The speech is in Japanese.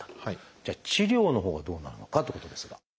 じゃあ治療のほうはどうなるのかってことですが。